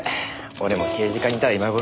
俺も刑事課にいたら今頃。